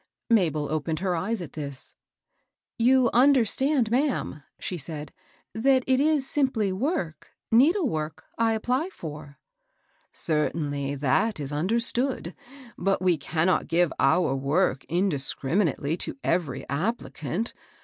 Mabel opened her eyes at this. " You understand, ma'am," she said, that it is simply work, needle work, I apply for ?*'" Certainly ; that is understood. But we can not give our work indiscriminately to every appli cant.